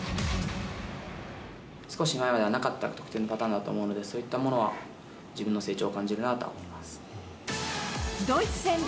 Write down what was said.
少し前までにはなかった得点パターンだと思うので、そういったものは自分の成長を感じるなと思います。